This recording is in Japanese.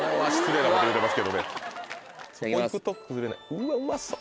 うわうまそう！